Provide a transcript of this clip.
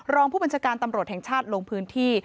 รองผู้บัญชาการตำรวจแห่งชาติลงพื้นที่